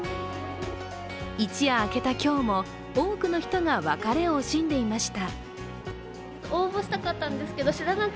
一夜明けた今日も、多くの人が別れを惜しんでいました。